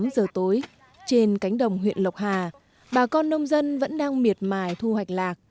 tám giờ tối trên cánh đồng huyện lộc hà bà con nông dân vẫn đang miệt mài thu hoạch lạc